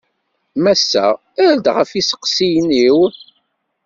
Massa, err-d ɣef yisteqsiyen-iw.